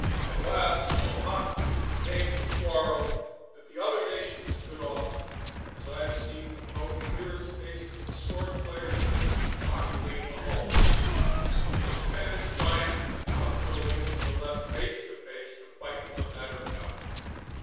At last so hot became the quarrel that the other nations stood off, as I have seen the folk clear a space for the sword players at Hockley in the Hole, so that the Spanish giant and tough little England were left face to face to fight the matter out.